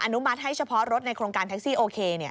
นุมัติให้เฉพาะรถในโครงการแท็กซี่โอเค